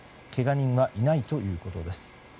けが人はいないということです。